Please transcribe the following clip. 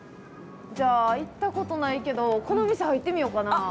じゃあ、行ったことないけどこの店入ってみようかな。